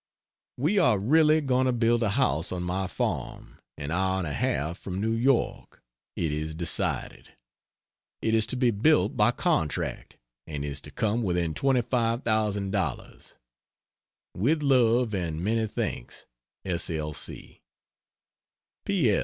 We are really going to build a house on my farm, an hour and a half from New York. It is decided. It is to be built by contract, and is to come within $25,000. With love and many thanks. S. L.